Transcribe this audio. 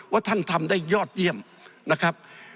ท่านทำได้ยอดเยี่ยมนะครับ